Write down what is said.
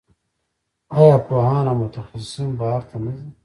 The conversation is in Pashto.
آیا پوهان او متخصصین بهر ته نه ځي؟